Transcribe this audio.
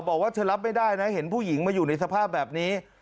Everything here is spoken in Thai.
บอกว่าเธอรับไม่ได้นะเห็นผู้หญิงมาอยู่ในสภาพแบบนี้